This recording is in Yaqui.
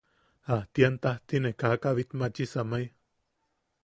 Ajtian taajti ne kaak aa bitmachi, samai.